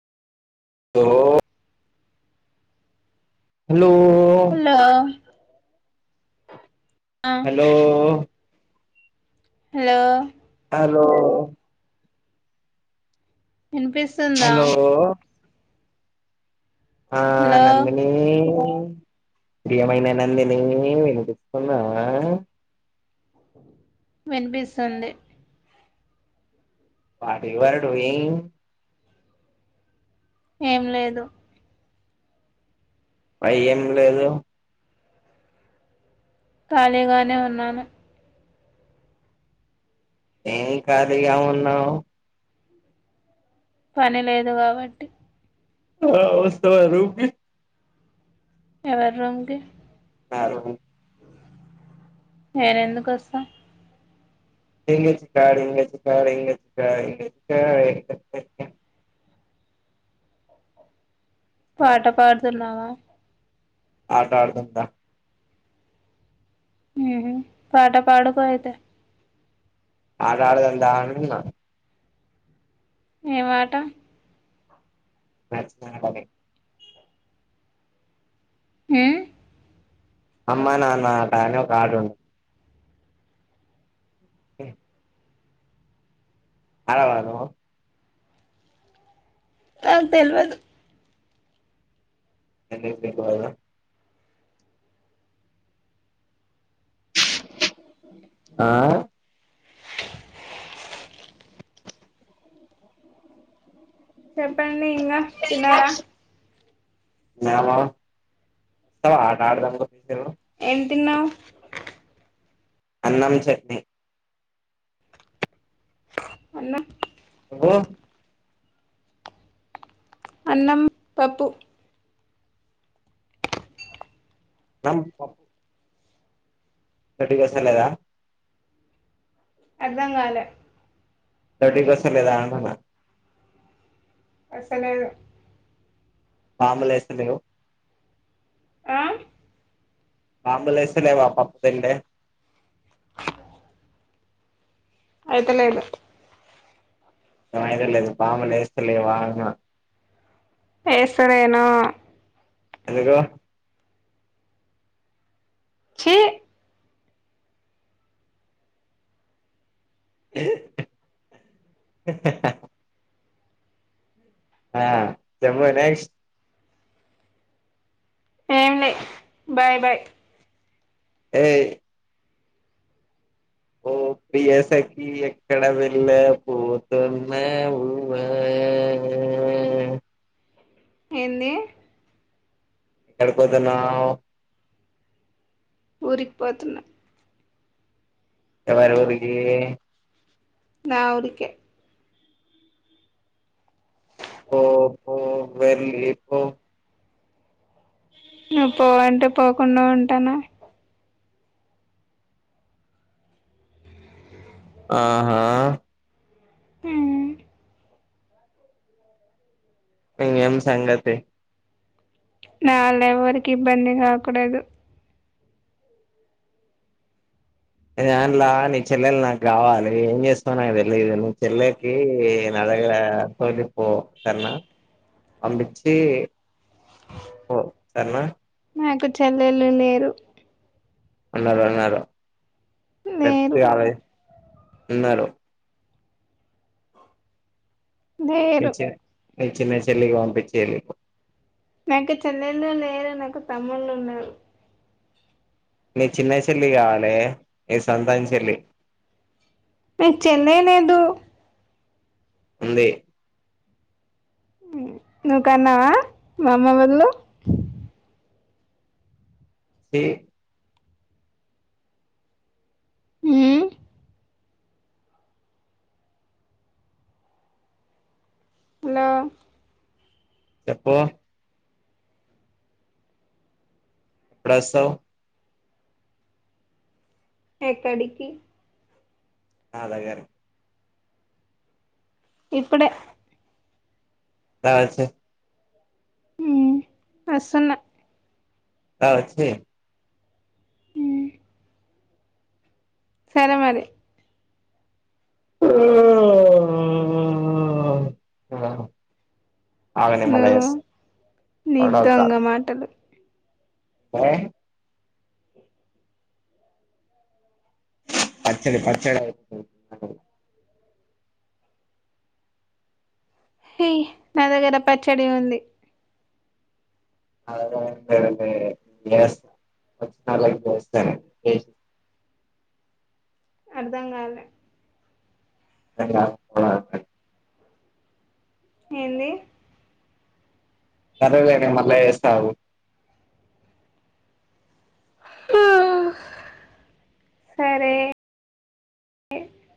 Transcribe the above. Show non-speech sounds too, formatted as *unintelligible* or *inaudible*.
ఓ ఓ హలో ఆ hello hello hello hello విన్పిస్తుందా హలో ఆ హలో నందినీ ప్రియమైన నందనీ నేను గుర్తున్నా *inaudible* వినిపిస్తుంది పాంటింగ్ పాడుడు ఏం ఏం లేదు బయ్యం లేదు ఖాళీగానే ఉన్నాను ఏం ఖాళీగా ఉన్నావ్ పని లేదు కాబట్టి *unintelligible* ఎవరండి నాలుగు నేనెదుకొస్తా డింగి చిక డింగి చిక డింగి చిక డింగి చిక ఏ ఏ ఏ పాట పాడుతున్నావా ఆట ఆడదామ్ దా ఉమ్మ్ పాట పాడుకో అయితే ఆట ఆడదాం దా అంటున్నా ఏం ఆట మాచ్ *inaudible* హ్మ్ అమ్మా నాన్న ఆట అని ఒక ఆటున్ ఉ ఆడవా నువ్వు నాకు తెల్వదు *unintelligible* ఆ చెప్పండి ఇంగా తిన్నారా మేమా తవ ఆట ఆడదానికి నువ్వు ఏం తిన్నావ్ అన్నం చట్నీ అన్నం నువ్వు అన్నం పప్పు అన్నం పప్పు దొడ్డిక వస్తలేదా అర్ధం కాల దొడ్డిక వస్తలేదా అంటున్న వస్తలేదు బాంబులేస్తలేవ్ ఆ బాంబులేస్తవా లేదా పప్పు తింటే ఆయితలేదు వైద లేది బాంబులేస్తలేవా అంటున్న ఎస్తలేను ఎందుకు చి ఆ చెమ్మనేక్స్ ఏమి లే బాయ్ బాయ్ ఏయ్ ఓ ప్రియసకి ఎక్కడ వెళ్ళ పోతున్నావు ఆ ఎంది ఎక్కడ పోతన్నావు ఊరికి పోతున్నా ఎవరు ఊరికి నా ఊరికే ఓహో వెళ్లిపో నువ్వు పోవంటే పోకుండా ఉంటానా ఆహా ఉ ఇంగేం సంగతి నావల్ల ఎవరికి ఇబ్బంది కాకూడదు ఏంలా నీ చెల్లెలు నాకు కావాలి ఏం చేస్తావు నాకు తెలిదు నీ చెల్లెకి నా దగ్గర తొలి పో సరేనా పంపించి పో సరేనా నాకు చెల్లెలు లేరు ఉన్నారు ఉన్నారు లేరు తప్పిగా అది ఉన్నారు లేరు మీ చిన్న చెల్లెళ్ళని పంపించేయండి నాకు చెల్లెళ్ళు లేరునాకు తమ్ముళ్లు ఉన్నారు నీ చిన్న చెల్లి కావాలి నీ సొంతం చెల్లి చెల్లి లేదు ఉంది నువ్ కన్నావా మామ్మ బదులు స ఉమ్ హలో చెప్పు ఎప్పుడస్తవ ఎక్కడికి నా దగ్గరకి ఇప్పుడే రా వచ్చాయి అసలు రావచ్చే ఉమ్ సరే మరి ఆ నీ దొంగమాటలు ఆ పచ్చడి పచ్చడి హ నా దగ్గర పచ్చడి ఉంది అదే వస్తా వచ్చ నళకి చేస్తానడి అర్థాం కాల అ ఏంది సరేలేనే మళ్ళా వస్తావు సరే